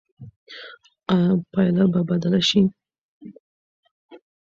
ایا پایله به بدله شي؟